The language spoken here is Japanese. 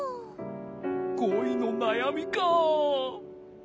こいのなやみか。